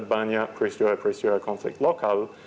banyak peristiwa peristiwa konflik lokal